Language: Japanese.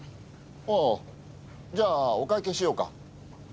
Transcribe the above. ああじゃあお会計しようか。